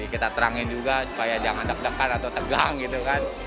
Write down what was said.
kita terangin juga supaya jangan deg degan atau tegang gitu kan